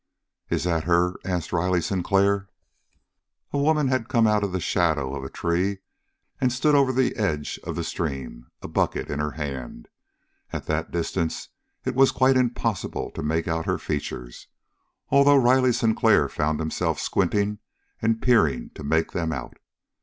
"Is that her?" asked Riley Sinclair. A woman had come out of the shadow of a tree and stood over the edge of the stream, a bucket in her hand. At that distance it was quite impossible to make out her features, although Riley Sinclair found himself squinting and peering to make them out.